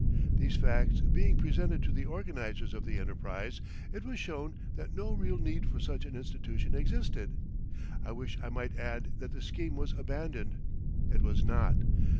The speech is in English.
These facts being presented to the organizers of the enterprise, it was shown that no real need for such an institution existed. I wish I might add that the scheme was abandoned. It was not.